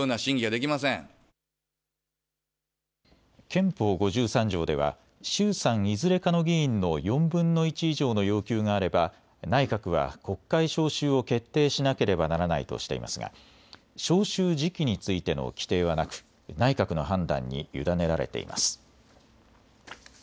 憲法５３条では衆参いずれかの議員の４分の１以上の要求があれば内閣は国会召集を決定しなければならないとしていますが召集時期についての規定はなく内閣の判断に委ねられています。